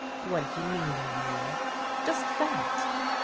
What do you mean, Eleanor? " Just that.